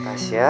kamu bisa jalan